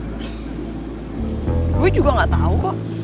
gue juga gak tahu kok